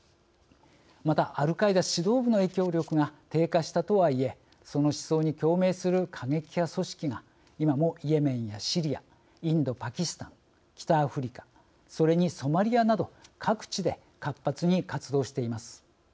また、アルカイダ指導部の影響力が低下したとはいえその思想に共鳴する過激派組織が今もイエメンやシリアインド・パキスタン、北アフリカそれにソマリアなど各地で活発に活動しています。